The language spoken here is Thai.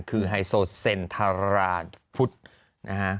คือไฮโซเซ็นทราดพุทธ